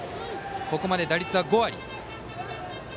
ここまで打率は５割。